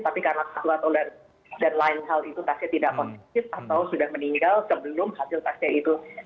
tapi karena kekuatan dan lain hal itu pasti tidak konsisten atau sudah meninggal sebelum hasil tasnya itu diketahui atau sebelum bisa